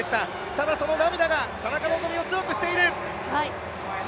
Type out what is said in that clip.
ただその涙が田中希実を強くしている。